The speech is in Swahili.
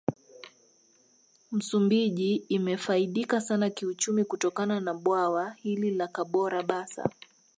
Msumbiji imefaidika sana kiuchumi kutokana na Bwawa hili la Kabora basa